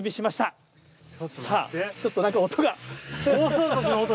ちょっとなんか音が。